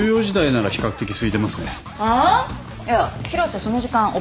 １４時台なら比較的すいてますね。